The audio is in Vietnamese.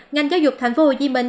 ngành giáo dục thành phố hồ chí minh